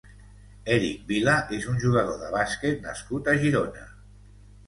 Eric Vila és un jugador de bàsquet nascut a Girona.